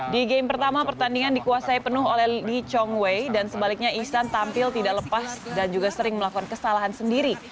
di game pertama pertandingan dikuasai penuh oleh lee chong wei dan sebaliknya ihsan tampil tidak lepas dan juga sering melakukan kesalahan sendiri